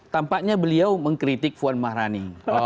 tampaknya beliau mengkritik puan maharani